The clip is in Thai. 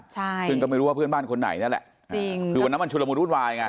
ใช่ซึ่งก็ไม่รู้ว่าเพื่อนบ้านคนไหนนั่นแหละจริงคือวันนั้นมันชุดละมุนวุ่นวายไง